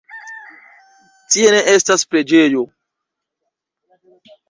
Tie ne estas preĝejo.